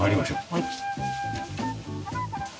はい。